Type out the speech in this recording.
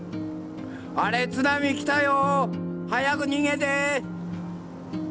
あれ津波来たよ、早く逃げて。